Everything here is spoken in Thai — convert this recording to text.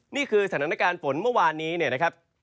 นี่คือสถานการณ์ฝนเมื่อวานนี้เนี่ยนะครับ